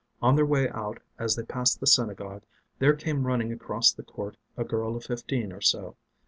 On their way out, as they passed the synagogue, there came running across the court a girl of fifteen or so.